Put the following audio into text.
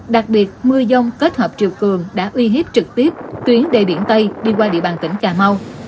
đặc biệt mưa dông kết hợp chiều cường đã uy hiếp trực tiếp tuyến đề biển tây đi qua địa bàn tỉnh cà mau